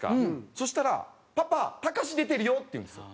そしたら「パパタカシ出てるよ」って言うんですよ。